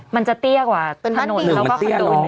มันจะเตี้ยกว่ะถนนเขาก็คอนโดอื่น